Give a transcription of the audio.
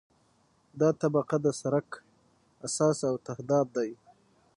دا طبقه د سرک اساس او تهداب دی